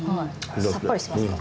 さっぱりしてますか？